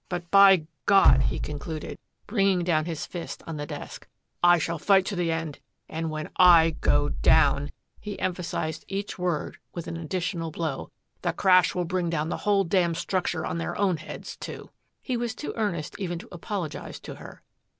But, by God," he concluded, bringing down his fist on the desk, "I shall fight to the end, and when I go down," he emphasized each word with an additional blow, "the crash will bring down the whole damned structure on their own heads, too." He was too earnest even to apologize to her.